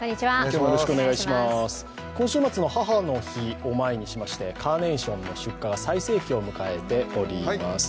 今週末の母の日を前にしまして、カーネーションの出荷が最盛期を迎えております。